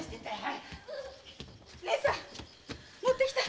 義姉さん持ってきた。